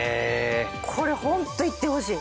これホント行ってほしい。